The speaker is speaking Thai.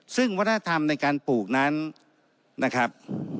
ซึ่งวัฒนธรรมในการปลูกนั้นนะครับ